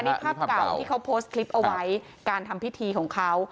นี่ภาพเก่าที่เขาโพสต์คลิปเอาไว้การทำพิธีของเขา